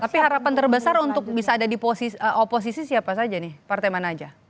tapi harapan terbesar untuk bisa ada di oposisi siapa saja nih partai mana aja